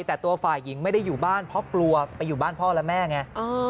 แต่ตัวฝ่ายหญิงไม่ได้อยู่บ้านเพราะกลัวไปอยู่บ้านพ่อและแม่ไง